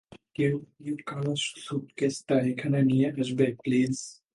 কেউ ওই কালো স্যুটকেসটা এখানে নিয়ে আসবে, প্লিজ?